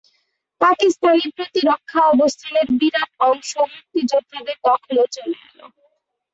পাকিস্তানি প্রতিরক্ষা অবস্থানের বিরাট অংশ মুক্তিযোদ্ধাদের দখলে চলে এল।